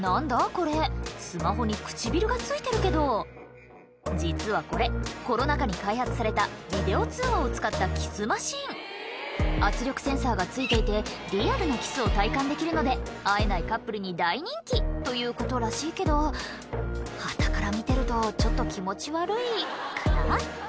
これスマホに唇がついてるけど実はこれコロナ禍に開発されたビデオ通話を使ったキスマシン圧力センサーがついていてリアルなキスを体感できるので会えないカップルに大人気ということらしいけどはたから見てるとちょっと気持ち悪いかな